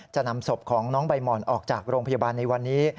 จะนำศพของน้องใบหมอนออกจากโรงพยาบาลในวันนี้